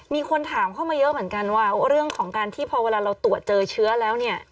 มีคนถามเข้ามาเยอะเหมือนกันว่าเรื่องของการที่พอเวลาเราตรวจเจอเชื้อแล้วเนี่ย